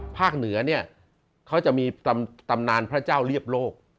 เหนือเนี่ยเขาจะมีตำนานพระเจ้าเรียบโลก